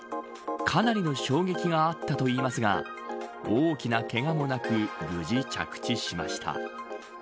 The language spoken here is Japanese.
かなりの衝撃があったといいますが大きなけがもなく無事、着地しました。